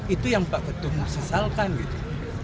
itu yang pak ketum sesalkan gitu